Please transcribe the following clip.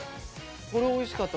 これおいしかった。